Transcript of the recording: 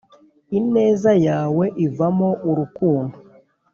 ineza yawe ivamo urukundo